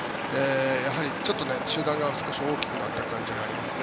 やはりちょっと集団が大きくなった感じがありますね。